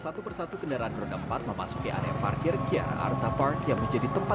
satu persatu kendaraan berdampak memasuki area parkir kia arta park yang menjadi tempat